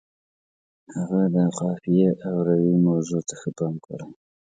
هغه د قافیې او روي موضوع ته ښه پام کړی.